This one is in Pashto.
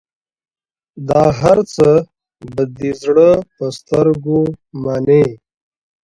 دا هرڅه به د زړه په سترګو منې.